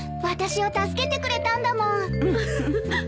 私を助けてくれたんだもん。